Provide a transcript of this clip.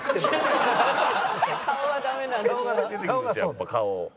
やっぱ顔。